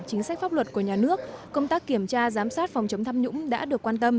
chính sách pháp luật của nhà nước công tác kiểm tra giám sát phòng chống tham nhũng đã được quan tâm